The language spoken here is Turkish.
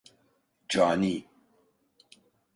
Cani!